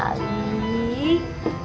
ya udah deh